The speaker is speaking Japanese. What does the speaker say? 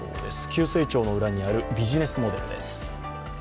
急成長の裏にあるビジネスモデルです。